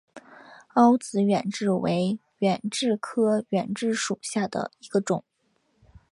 凹籽远志为远志科远志属下的一个种。